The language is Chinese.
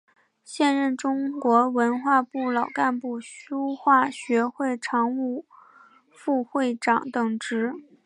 现任中国文化部老干部书画学会常务副会长等职。